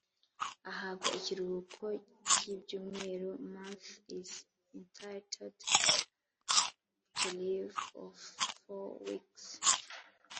ahabwa ikiruhuko cy ibyumweru month is entitled to a leave of four weeks